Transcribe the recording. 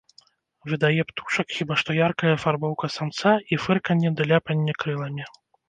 Выдае птушак хіба што яркая афарбоўка самца і фырканне ды ляпанне крыламі.